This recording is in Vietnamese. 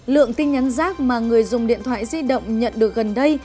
lượng tin nhắn rác mà người dùng điện thoại di động nhận được gần đây